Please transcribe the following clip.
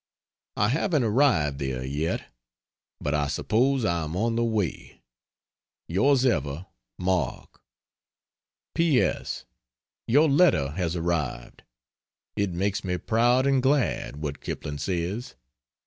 I haven't arrived there yet, but I suppose I am on the way.... Yours ever, MARK. P. S. Your letter has arrived. It makes me proud and glad what Kipling says.